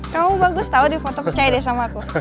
kamu bagus tau di foto percaya deh sama aku